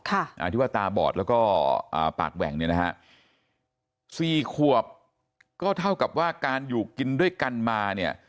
อ่าที่ว่าตาบอดแล้วก็อ่าปากแหว่งเนี่ยนะฮะสี่ขวบก็เท่ากับว่าการอยู่กินด้วยกันมาเนี่ย